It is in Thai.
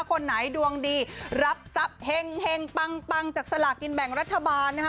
คนไหนดวงดีรับทรัพย์เห็งปังจากสลากินแบ่งรัฐบาลนะคะ